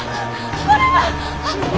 これは！